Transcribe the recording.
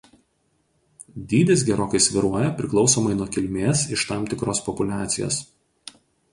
Dydis gerokai svyruoja priklausomai nuo kilmės iš tam tikros populiacijos.